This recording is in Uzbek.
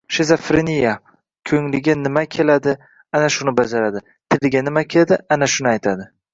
Shizofreniya — ko‘ngliga nima keladi, ana shuni bajaradi, tiliga nima keladi, ana shuni aytadi.